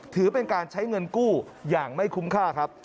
ถือเป็นการใช้เงินกู้อย่างไม่คุ้มค่าครับ